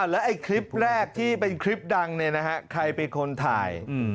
แล้วคลิปแรกที่เป็นคลิปดังใครเป็นคนถ่าย